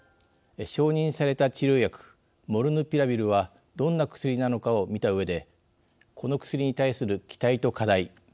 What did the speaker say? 承認された治療薬モルヌピラビルはどんな薬なのかを見た上でこの薬に対する期待と課題